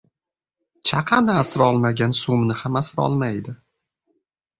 • Chaqani asrolmagan so‘mni ham asrolmaydi.